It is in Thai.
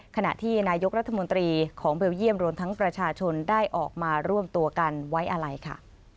ขณะที่นายกรัฐมนตรีของเบลเยี่ยมรวมทั้งประชาชนได้ออกมาร่วมตัวกันไว้อะไรค่ะ